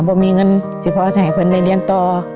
ไม่มีเงินเสียบพ่อจะให้เพื่อนหนีได้เรียนต่อ